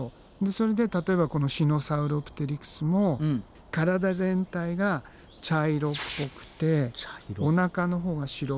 それで例えばこのシノサウロプテリクスも体全体が茶色っぽくておなかのほうが白っぽくて。